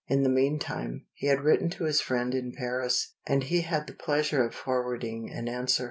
In the meantime, he had written to his friend in Paris, and he had the pleasure of forwarding an answer.